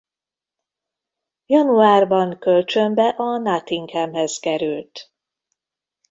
Januárban kölcsönbe a Nottinghamhez került.